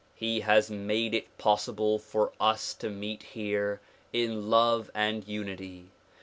He has made it possible for us to meet here in love and unity.